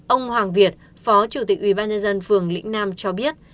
ông hoàng việt phó chủ tịch ubnd phường lĩnh nam cho biết